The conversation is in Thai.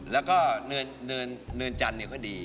แล้วก็เนินจันทร์ก็ดี